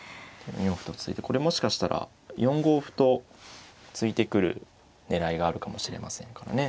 ４四歩と突いてこれもしかしたら４五歩と突いてくる狙いがあるかもしれませんからね。